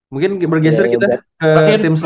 mungkin bergeser kita ke tim satu